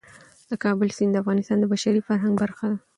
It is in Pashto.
د کابل سیند د افغانستان د بشري فرهنګ برخه ده.